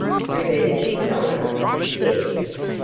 Revenge his honour? Yes!